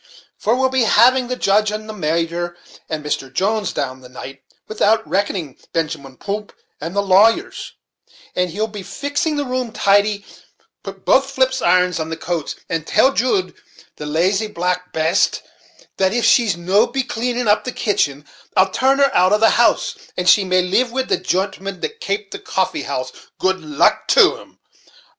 for we'll be having the jooge, and the Major, and Mr. Jones down the night, without reckoning Benjamin Poomp, and the lawyers; so yell be fixing the room tidy; and put both flip irons in the coals; and tell Jude, the lazy black baste, that if she's no be cleaning up the kitchen I'll turn her out of the house, and she may live wid the jontlemen that kape the 'Coffee house,' good luck to 'em.